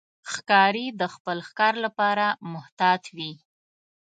ښکاري د خپل ښکار لپاره محتاط وي.